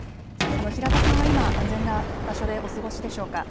平田さんは今、安全な場所でお過ごしでしょうか。